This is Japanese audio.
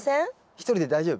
一人で大丈夫？